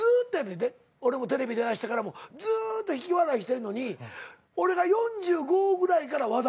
んで俺もテレビ出だしてからずーっと引き笑いしてるのに俺が４５ぐらいから話題になって。